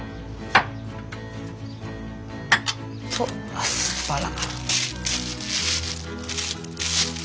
アスパラ。